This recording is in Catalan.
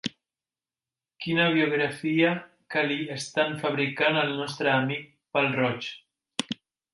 Quina biografia que li estant fabricant al nostre amic pèl-roig!